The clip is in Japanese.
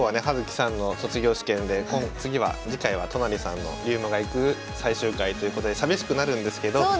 葉月さんの卒業試験で次回は都成さんの「竜馬がゆく最終回」ということで寂しくなるんですけど。